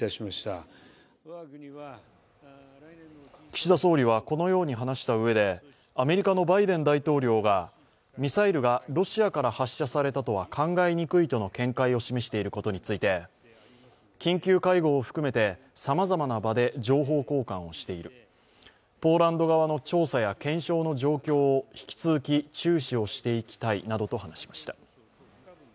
岸田総理は、このように話したうえで、アメリカのバイデン大統領がみさいるがロシアから発射されたとは考えにくいとの見解を示していることについて緊急会合を含めて、さまざまな場で情報交換をしている、ポーランド側の調査や検証の状況を引き続き注視をしていきたいなどと話しました。